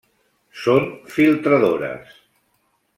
Són filtradores.